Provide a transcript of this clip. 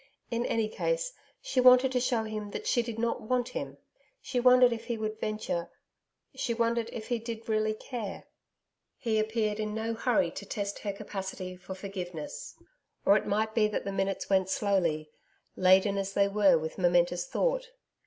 In any case, she wanted to show him that she did not want him. She wondered if he would venture.... She wondered if he did really care.... He appeared in no hurry to test her capacity for forgiveness.... Or it might be that the minutes went slowly laden as they were with momentous thought.